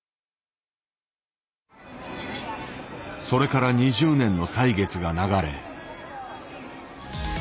それから２０年の歳月が流れ。